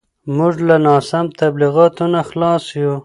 موږ له ناسم تبلیغاتو نه خلاص یو.